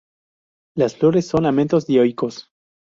Las flores son amentos dioicos.